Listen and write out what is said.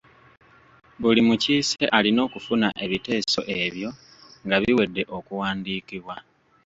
Buli mukiise alina okufuna ebiteeso ebyo nga biwedde okuwandiikibwa.